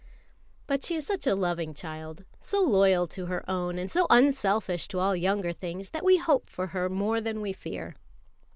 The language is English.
_)] But she is such a loving child, so loyal to her own and so unselfish to all younger things, that we hope for her more than we fear.